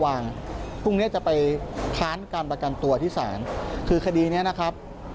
พรุ่งเนี้ยจะไปค้านการประกันตัวที่ศาลคือคดีเนี้ยนะครับ